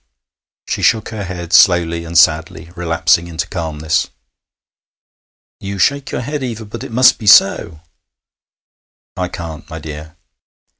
She shook her head slowly and sadly, relapsing into calmness. 'You shake your head, Eva, but it must be so.' 'I can't, my dear.'